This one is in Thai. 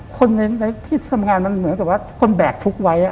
คนในที่ทำงานมันเหมือนกับว่าคนแบกทุกข์ไว้